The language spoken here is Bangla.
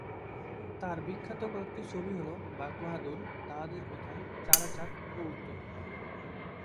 তার বিখ্যাত কয়েকটি ছবি হল বাঘ বাহাদুর, তাহাদের কথা, চারাচার ও উত্তরা।